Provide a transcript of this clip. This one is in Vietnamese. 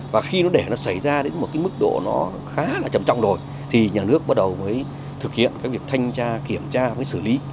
và khi nó để nó xảy ra đến một cái mức độ nó khá là trầm trọng rồi thì nhà nước bắt đầu mới thực hiện cái việc thanh tra kiểm tra mới xử lý